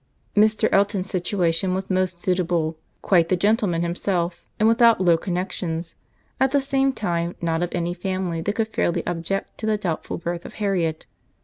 Mr. Elton's situation was most suitable, quite the gentleman himself, and without low connexions; at the same time, not of any family that could fairly object to the doubtful birth of Harriet.